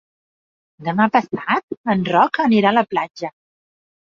Demà passat en Roc anirà a la platja.